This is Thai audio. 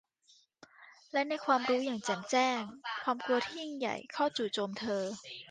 และในความรู้อย่างแจ่มแจ้ง ความกลัวที่ยิ่งใหญ่เข้าจู่โจมเธอ